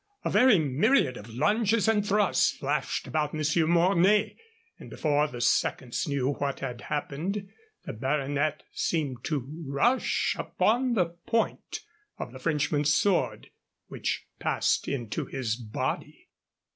A very myriad of lunges and thrusts flashed about Monsieur Mornay, and before the seconds knew what had happened the Baronet seemed to rush upon the point of the Frenchman's sword, which passed into his body.